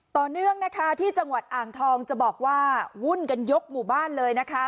ต่อเนื่องนะคะที่จังหวัดอ่างทองจะบอกว่าวุ่นกันยกหมู่บ้านเลยนะคะ